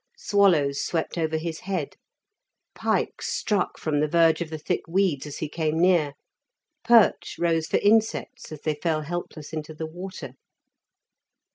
Swallows swept over his head. Pike "struck" from the verge of the thick weeds as he came near. Perch rose for insects as they fell helpless into the water.